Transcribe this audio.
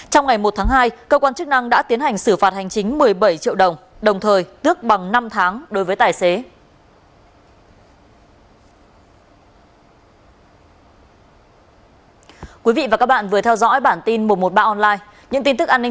trong ngày một tháng hai cơ quan chức năng đã tiến hành xử phạt hành chính một mươi bảy triệu đồng